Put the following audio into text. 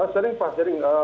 sering pak sering